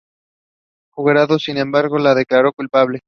El jurado, sin embargo, la declaró culpable.